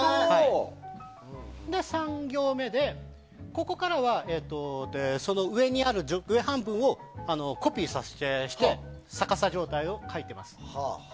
３行目で、その上にある上半分をコピーして逆さ状態を描いています。